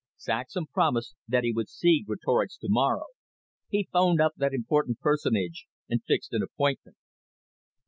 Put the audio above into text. Saxham promised that he would see Greatorex to morrow. He 'phoned up that important personage, and fixed an appointment.